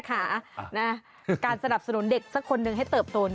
การสนับสนุนเด็กสักคนหนึ่งให้เติบโต